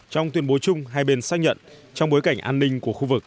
trong tuyên bố chung hai bên xác nhận trong bối cảnh an ninh của khu vực